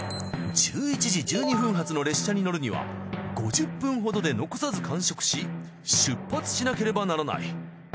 １１時１２分発の列車に乗るには５０分ほどで残さず完食し出発しなければならない。